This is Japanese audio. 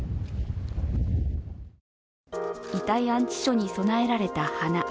遺体安置所に供えられた花。